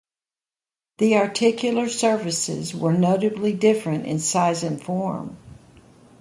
The articular surfaces were notably different in size and form.